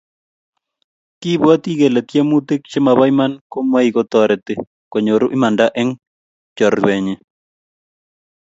kiibwoti kele tyemutik che mobo iman komoi kotorit konyoru imanda eng' chorwetnyin.